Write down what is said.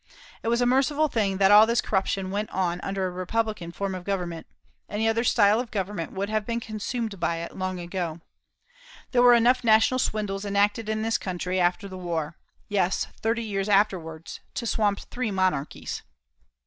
It was a merciful thing that all this corruption went on under a republican form of government. Any other style of government would have been consumed by it long ago. There were enough national swindles enacted in this country after the war yes, thirty years afterwards to swamp three monarchies.